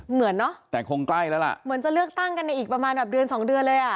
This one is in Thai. เหมือนเนอะแต่คงใกล้แล้วล่ะเหมือนจะเลือกตั้งกันในอีกประมาณแบบเดือนสองเดือนเลยอ่ะ